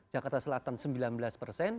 jakarta selatan sembilan belas persen